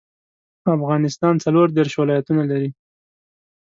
افغانستان څلوردیرش ولايتونه لري.